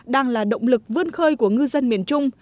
đang là động lực vươn khơi của ngư dân miền trung